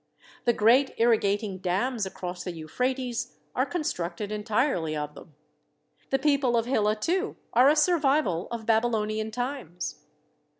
The great irrigat ing dams across the Euphrates are constructed entirely of them. The people of Hillah, too, are a survival of Babylonian times.